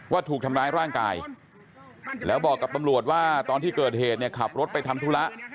ถูกทำร้ายร่างกายแล้วบอกกับตำรวจว่าตอนที่เกิดเหตุเนี่ยขับรถไปทำธุระ